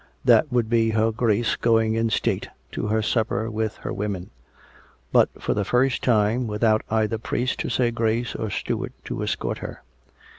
That would be her Grace going in state to her supper with her women ; but, for the first time, with out either priest to say grace or steward to escort her.